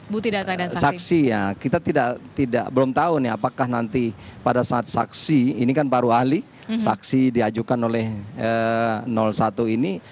bukti data saksi ya kita belum tahu nih apakah nanti pada saat saksi ini kan baru ahli saksi diajukan oleh satu ini